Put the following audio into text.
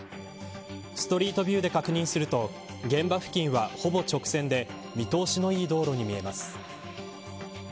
ストリートビューで確認すると現場付近は、ほぼ直線で見通しのいい道路に見えます。